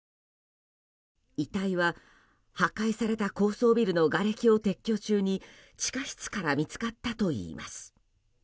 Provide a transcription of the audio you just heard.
遺体は、破壊された高層ビルのがれきを撤去中に地下室から見つかったといいます。